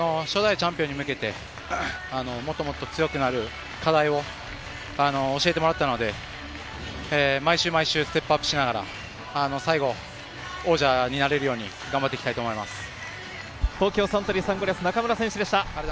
初代チャンピオンに向けて課題を教えてもらったので、毎週毎週ステップアップしながら、最後王者になれるように頑張っていきたいと思います。